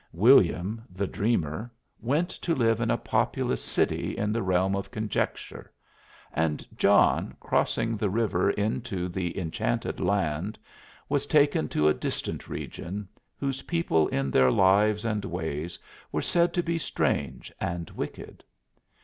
William (the dreamer) went to live in a populous city in the Realm of Conjecture, and John, crossing the river into the Enchanted Land, was taken to a distant region whose people in their lives and ways were said to be strange and wicked.